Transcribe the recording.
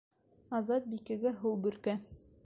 Азат Бикәгә һыу бөркә.